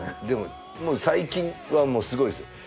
でも最近はもうすごいですよ。